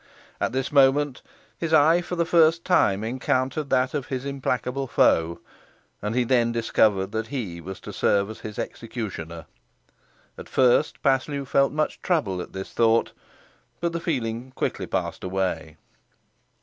At this moment his eye for the first time encountered that of his implacable foe, and he then discovered that he was to serve as his executioner. At first Paslew felt much trouble at this thought, but the feeling quickly passed away.